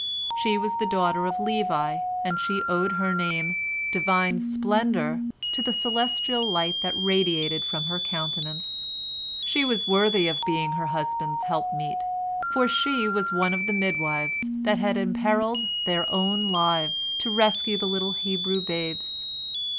She was the daughter of Levi, and she owed her name, "Divine Splendor," to the celestial light that radiated from her countenance. She was worthy of being her husband's helpmeet, for she was one of the midwives that had imperilled their own lives to rescue the little Hebrew babes.